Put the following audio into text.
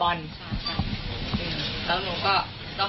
ของมันตกอยู่ด้านนอก